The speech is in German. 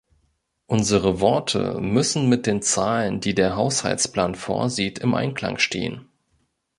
Unsere Worte müssen mit den Zahlen, die der Haushaltsplan vorsieht, im Einklang stehen.